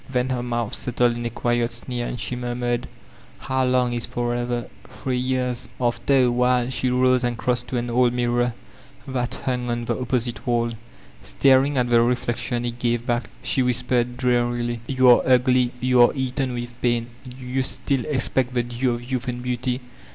Then her moadi settled in a quiet sneer and she murmured: ^How Umg is 'forever' ? Three years.'* After a while she rose and crossed to an old mirror that hung on the opposite waH. Staring at the reflection it gave back, she whbpexed drearily : "You are ugly, you are eaten with pain I Do you still expect the due of youth and beauty?